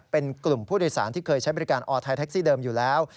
เป็นกลุ่มผู้โดยสารที่เคยใช้บริการออไทยแท็กซี่เดิมอยู่แล้ว